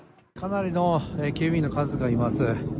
かなりの警備員の数がいます。